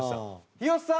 日吉さん。